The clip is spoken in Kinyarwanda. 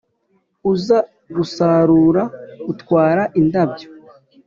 uza gusarura utwara indabyo.